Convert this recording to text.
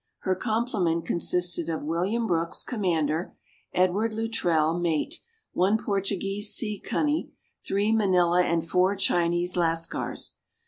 Her complement consisted of William Brooks, commander, Edward Luttrell, mate, one Portuguese seacunny, three Manilla and four Chinese Lascars.